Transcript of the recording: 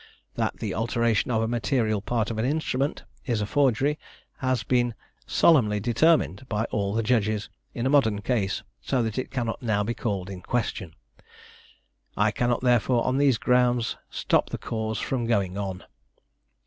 That the alteration of a material part of an instrument is a forgery has been solemnly determined, by all the Judges, in a modern case, so that it cannot now be called in question. I cannot therefore, on these grounds, stop the cause from going on."